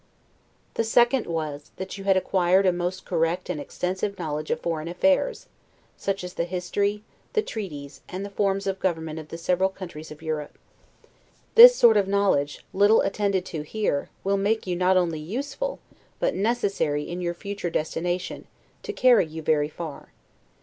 The second was, that you had acquired a most correct and extensive knowledge of foreign affairs, such as the history, the treaties, and the forms of government of the several countries of Europe. This sort of knowledge, little attended to here, will make you not only useful, but necessary, in your future destination, and carry you very far.